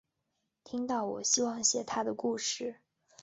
听到我希望写她的故事